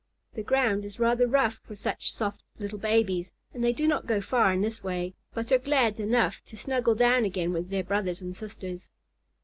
The ground is rather rough for such soft little babies, and they do not go far in this way, but are glad enough to snuggle down again with their brothers and sisters.